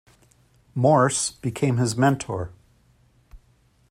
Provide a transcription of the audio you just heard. Morse became his mentor.